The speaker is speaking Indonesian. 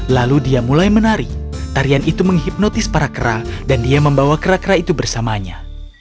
lalu dia mulai menari tarian itu menghipnotis para kera dan dia membawa kera kera itu bersamanya